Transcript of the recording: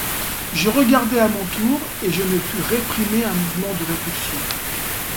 Je regardai à mon tour, et je ne pus réprimer un mouvement de répulsion.